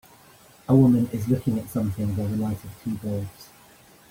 A woman is looking at something by the light of two bulbs.